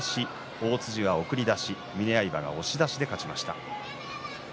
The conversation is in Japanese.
大辻が送り出し峰刃、押し出しで勝ちました。